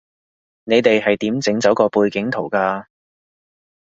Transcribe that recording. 你哋係點整走個背景圖㗎